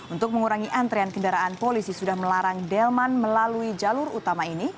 untuk mengurangi antrean kendaraan polisi sudah melarang delman melalui jalur utama ini